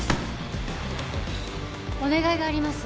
お願いがあります